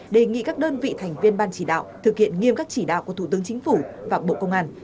đề nghị các đơn vị thành viên ban chỉ đạo thực hiện nghiêm các chỉ đạo của thủ tướng chính phủ và bộ công an